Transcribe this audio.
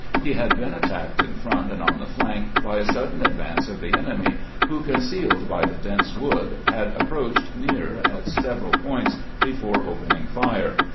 He had been attacked in front and on the flank by a sudden advance of the enemy, who, concealed by the dense wood, had ap proached near at several points before opening fire.